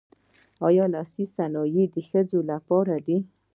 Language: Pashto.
آیا لاسي صنایع د ښځو لپاره دي؟